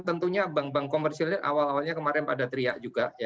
tentunya bank bank komersil ini awal awalnya kemarin pada teriak juga